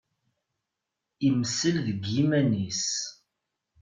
Imessel deg yiman-is.